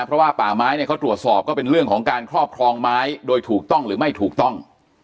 เพราะว่าป่าไม้เนี่ยเขาตรวจสอบก็เป็นเรื่องของการครอบครองไม้โดยถูกต้องหรือไม่ถูกต้อง